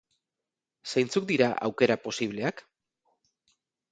Zeintzuk dira aukera posibleak?